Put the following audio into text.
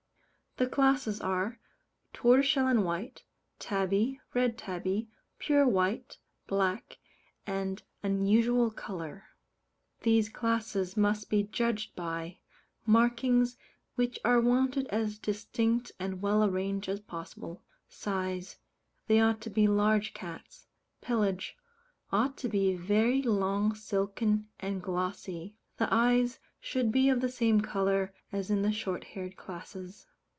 The classes, are, Tortoiseshell and White, Tabby, Red Tabby, Pure White, Black, and Unusual Colour. These classes must be judged by: Markings, which are wanted as distinct and well arranged as possible. Size they ought to be large cats. Pelage ought to be very long silken, and glossy. The eyes should be of the same colour as in the short haired classes.